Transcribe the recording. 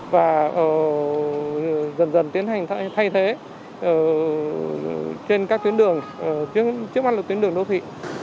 và dần dần tiến hành thay thế trên các tuyến đường trước mắt là tuyến đường đô thị